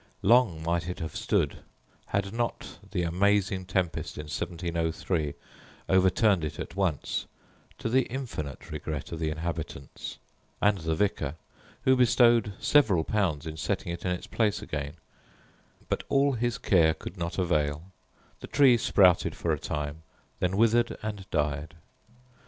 Long might it have stood, had not the amazing tempest in 1703 overturned it at once, to the infinite regret of the inhabitants, and the vicar, who bestowed several pounds in setting it in its place again; but all his care could not avail; the tree sprouted for a time, then withered and died.